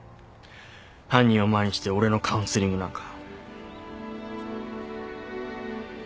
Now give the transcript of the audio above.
犯人を前にして俺のカウンセリングなんか。